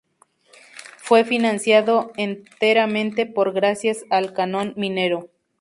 Fue financiado enteramente por gracias al canon minero.